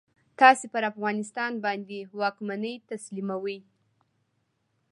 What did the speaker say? تاسې پر افغانستان باندي واکمني تسلیموي.